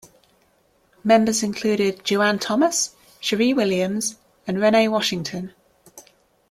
Members included Joanne Thomas, Cheri Williams, and Renee Washington.